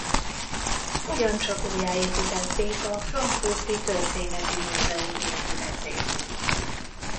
Ugyancsak újjáépítették a Frankfurti Történeti Múzeum épületét.